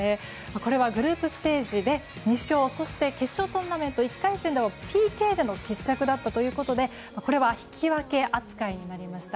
これはグループステージで２勝そして決勝トーナメント１回戦でＰＫでの決着だったということでこれは引き分け扱いになりました。